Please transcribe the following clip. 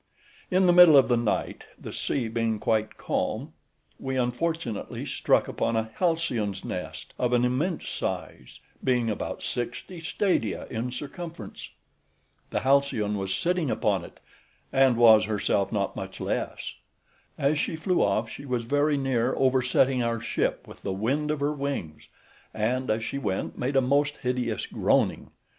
In the middle of the night, the sea being quite calm, we unfortunately struck upon a halcyon's nest, of an immense size, being about sixty stadia in circumference; the halcyon was sitting upon it, and was herself not much less; as she flew off, she was very near oversetting our ship with the wind of her wings, and, as she went, made a most hideous groaning.